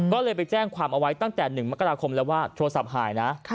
ก็เลยไปแจ้งความเอาไว้ตั้งแต่๑มกราคมแล้วว่าโทรศัพท์หายนะ